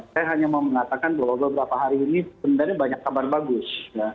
saya hanya mau mengatakan bahwa beberapa hari ini sebenarnya banyak kabar bagus